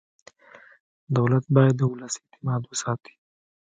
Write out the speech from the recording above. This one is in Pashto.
دولت باید د ولس اعتماد وساتي.